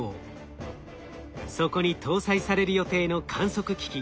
そこに搭載される予定の観測機器